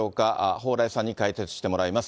蓬莱さんに解説してもらいます。